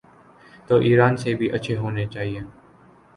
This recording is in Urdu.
تو ایران سے بھی اچھے ہونے چائیں۔